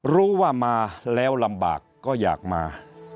รู้ว่ามาแล้วลำบากก็อยากมา